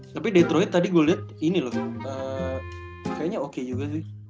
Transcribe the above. tapi detroit tadi gua liat ini loh kayaknya oke juga sih